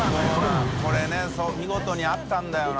海譴そう見事にあったんだよな